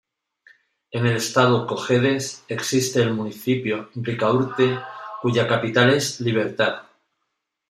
En el estado Cojedes existe el municipio Ricaurte, cuya capital es Libertad.